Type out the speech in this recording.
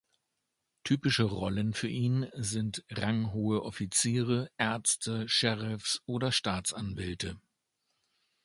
Typische Rollen für ihn sind ranghohe Offiziere, Ärzte, Sheriffs oder Staatsanwälte.